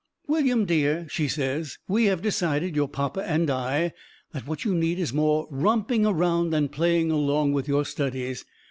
"William Dear," she says, "we have decided, your papa and I, that what you need is more romping around and playing along with your studies.